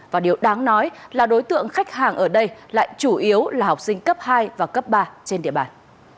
và điều đáng nói là đối tượng khách hàng ở đây lại chủ yếu là học sinh cấp hai và cấp ba trên địa bàn